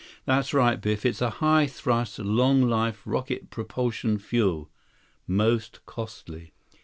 "That's right, Biff. It's a high thrust, long life rocket propulsion fuel. Most costly."